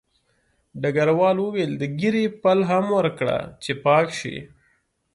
ډګروال وویل د ږیرې پل هم ورکړه چې پاک شي